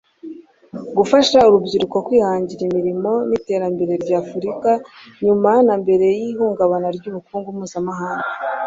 gufasha urubyiruko kwihangira imirimo n’iterambere ry’Afurika nyuma na mbere y’ihungabana ry’ubukungu mpuzamahanga